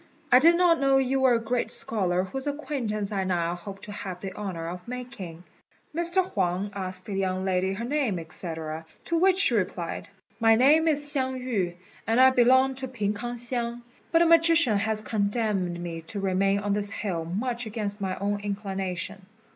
I did not know you were a great scholar whose acquaintance I now hope to have the honour of making." Mr. Huang asked the young lady her name, &c., to which she replied, "My name is Hsiang yü, and I belong to P'ing k'ang hsiang; but a magician has condemned me to remain on this hill much against my own inclination."